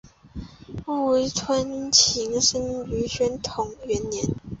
吴春晴生于宣统元年。